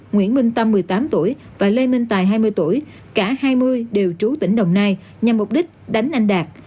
nguyễn minh tâm một mươi tám tuổi và lê minh tài hai mươi tuổi cả hai mươi đều trú tỉnh đồng nai nhằm mục đích đánh anh đạt